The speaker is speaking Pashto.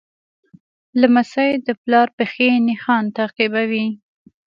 لمسی د پلار پښې نښان تعقیبوي.